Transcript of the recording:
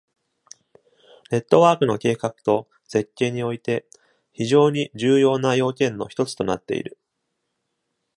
ネットワークの計画と設計において、非常に重要な要件の一つとなっている。